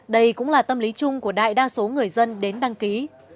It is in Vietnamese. đây cũng là tâm lý chung của đại đa số người dân đến đăng ký